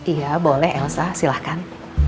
iya boleh elsa silahkan